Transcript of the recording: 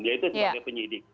dia itu sebagai penyidik